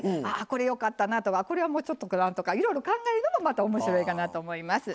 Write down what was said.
これよかったなとかこれはもうちょっとかなとかいろいろ考えるのもまた面白いかなと思います。